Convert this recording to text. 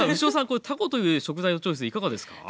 これたこという食材のチョイスいかがですか？